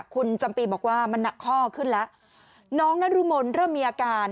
คุณจำปีบอกว่ามันหนักข้อขึ้นแล้วน้องนรมนเริ่มมีอาการ